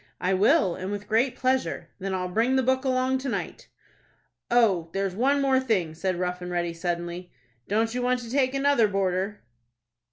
"I will, and with great pleasure." "Then I'll bring the book along to night." "Oh, there's one thing more," said Rough and Ready, suddenly. "Don't you want to take another boarder?"